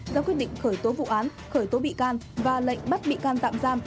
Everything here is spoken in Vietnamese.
ra quyết định khởi tố vụ án khởi tố bị can và lệnh bắt bị can tạm giam